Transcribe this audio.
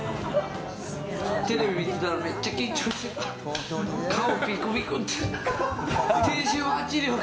テレビを見てたらめっちゃ緊張してきた。